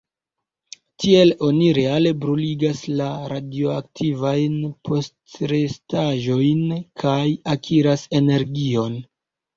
Tiel oni reale bruligas la radioaktivajn postrestaĵojn kaj akiras energion.